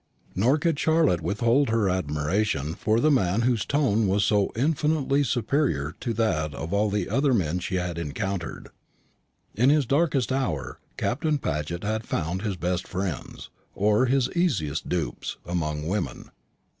Nor could Charlotte withhold her admiration from the man whose tone was so infinitely superior to that of all the other men she had encountered. In his darkest hour Captain Paget had found his best friends, or his easiest dupes, among women.